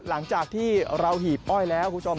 หลังจากที่เราหีบอ้อยแล้วคุณผู้ชม